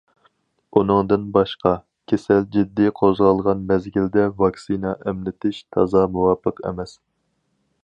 ئۇنىڭدىن باشقا، كېسەل جىددىي قوزغالغان مەزگىلدە ۋاكسىنا ئەملىتىش تازا مۇۋاپىق ئەمەس.